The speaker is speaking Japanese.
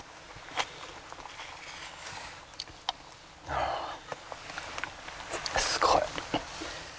ああすごい！